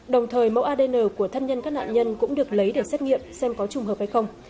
đồng thời mẫu adn của thân nhân các nạn nhân cũng được lấy để xét nghiệm xem có trùng hợp hay không